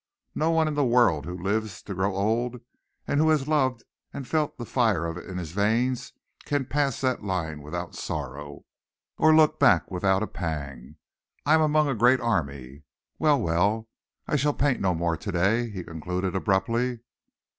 No one in the world who lives to grow old, and who has loved and felt the fire of it in his veins, can pass that line without sorrow, or look back without a pang. I am among a great army. Well, well, I shall paint no more to day," he concluded abruptly.